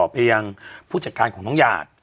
ไปยังผู้จัดการของน้องหยาด